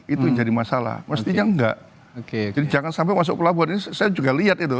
itu jadi masalah mestinya enggak oke jadi jangan sampai masuk pelabuhan ini saya juga lihat itu